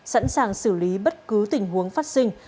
sẵn sàng xử lý bất cứ tình huống phát sinh